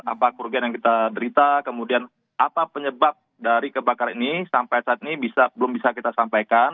apa kerugian yang kita derita kemudian apa penyebab dari kebakaran ini sampai saat ini belum bisa kita sampaikan